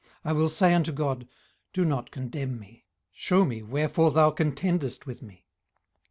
18:010:002 I will say unto God, Do not condemn me; shew me wherefore thou contendest with me.